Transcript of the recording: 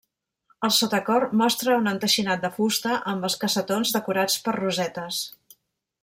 El sotacor mostra un enteixinat de fusta amb els cassetons decorats per rosetes.